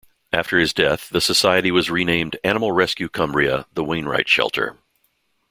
After his death the society was renamed "Animal Rescue Cumbria - The Wainwright Shelter".